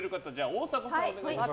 大迫さんにお願いします。